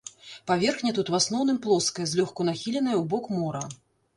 Паверхня тут у асноўным плоская, злёгку нахіленая ў бок мора.